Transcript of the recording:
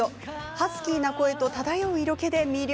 ハスキーな声と漂う色気で魅了。